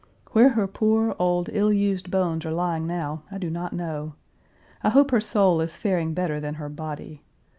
Where her poor, old, ill used bones are lying now I do not know. I hope her soul is faring better than her body.